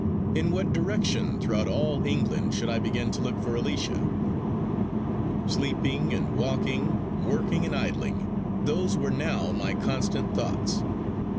In what direction throughout all England should I begin to look for Alicia? Sleeping and walking working and idling those were now my constant thoughts.